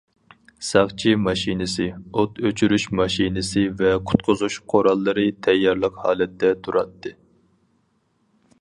ساقچى ماشىنىسى، ئوت ئۆچۈرۈش ماشىنىسى ۋە قۇتقۇزۇش قوراللىرى تەييارلىق ھالەتتە تۇراتتى.